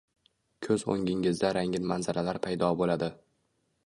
ko’z o’ngingizda rangin manzaralar paydo bo’ladi.